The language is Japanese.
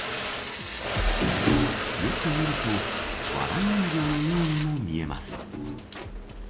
よく見るとわら人形のようにも見えます。